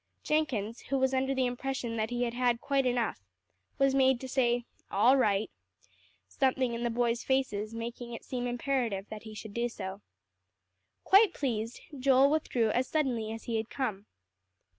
Jenkins, who was under the impression that he had had quite enough, was made to say, "All right;" something in the boys' faces making it seem imperative that he should do so. Quite pleased, Joel withdrew as suddenly as he had come.